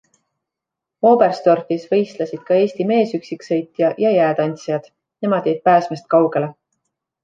Oberstdorfis võistlesid ka Eesti meesüksiksõitja ja jäätantsijad - nemad jäid pääsmest kaugele.